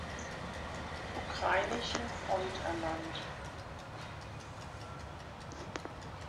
Ukrainischen Front ernannt.